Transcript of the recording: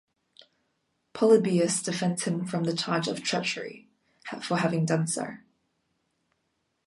Polybius defends him from the charge of treachery for having done so.